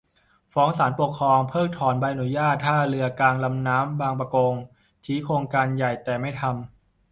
ฟ้องศาลปกครองเพิกถอนใบอนุญาตท่าเรือกลางลำน้ำบางปะกง ชี้โครงการใหญ่แต่ไม่ทำ